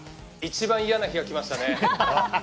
一番嫌な日が来ましたね。